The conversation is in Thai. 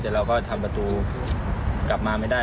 แต่เราก็ทำประตูกลับมาไม่ได้